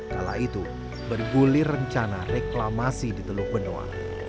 kala itu bergulir rencana reklamasi di teluk benoa